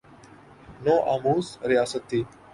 نو آموز ریاست تھی۔